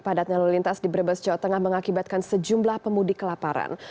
padatnya lalu lintas di brebes jawa tengah mengakibatkan sejumlah pemudik kelaparan